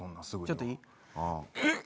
ちょっといい。